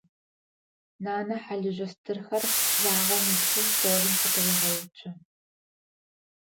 Нанэ хьалыжъо стырхэр лагъэм илъхэу столым къытырегъэуцо.